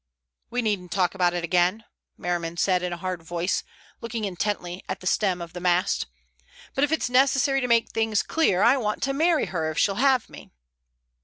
"We needn't talk about it again," Merriman said in a hard voice, looking intently at the stem of the mast, "but if it's necessary to make things clear, I want to marry her if she'll have me."